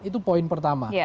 itu poin pertama